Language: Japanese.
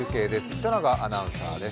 糸永アナウンサーです。